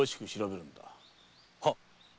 はっ。